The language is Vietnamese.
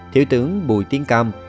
thiếu tướng bùi tiến cam